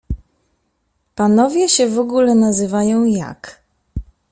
Panowie się w ogóle nazywają jak?